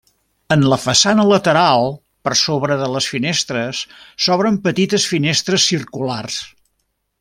En la façana lateral, per sobre de les finestres, s'obren petites finestres circulars.